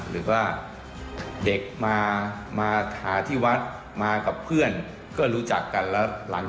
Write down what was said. หรือว่าเด็กมามาหาที่วัดมากับเพื่อนก็รู้จักกันแล้วหลังจาก